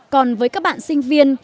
còn với các bạn sinh viên